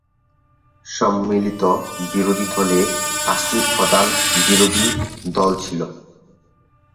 সম্মিলিত বিরোধী দলে পাঁচটি প্রধান বিরোধী দল ছিল।